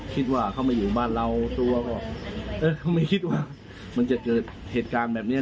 คิดว่าเขามาอยู่บ้านเราตัวก็ไม่คิดว่ามันจะเกิดเหตุการณ์แบบนี้